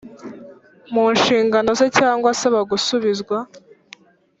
Mu nshingano ze cyangwa asaba gusubizwa